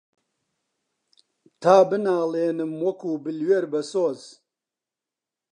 تا بناڵێنم وەکوو بلوێر بەسۆز